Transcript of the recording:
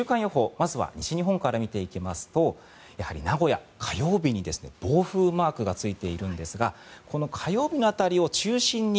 まずは西日本から見ていきますとやはり名古屋、火曜日に暴風マークがついているんですがこの火曜日に辺りを中心に